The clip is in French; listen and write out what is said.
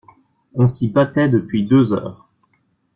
On s'y battait depuis deux heures.